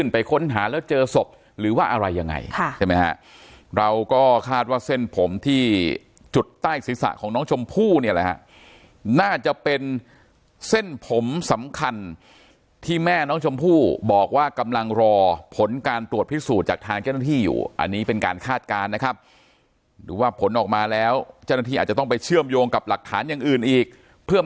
ไปค้นหาแล้วเจอศพหรือว่าอะไรยังไงใช่ไหมฮะเราก็คาดว่าเส้นผมที่จุดใต้ศีรษะของน้องชมพู่เนี่ยแหละฮะน่าจะเป็นเส้นผมสำคัญที่แม่น้องชมพู่บอกว่ากำลังรอผลการตรวจพิสูจน์จากทางเจ้าหน้าที่อยู่อันนี้เป็นการคาดการณ์นะครับหรือว่าผลออกมาแล้วเจ้าหน้าที่อาจจะต้องไปเชื่อมโยงกับหลักฐานอย่างอื่นอีกเพื่อ